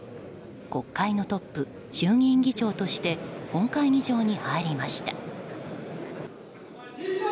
国会のトップ、衆議院議長として本会議場に入りました。